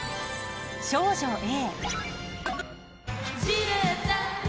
少女Ａ。